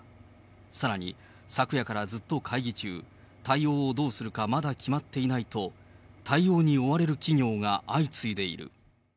さらに、昨夜からずっと会議中、対応をどうするかまだ決まっていないと、対応に追われる企業が相次いでいる。